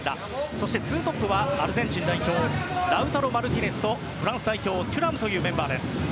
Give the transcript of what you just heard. そして２トップはアルゼンチン代表ラウタロ・マルティネスとフランス代表のテュラムというメンバーです。